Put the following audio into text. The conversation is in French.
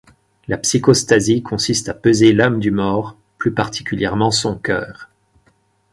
La psychostasie consiste à peser l'âme du mort, plus particulièrement son cœur.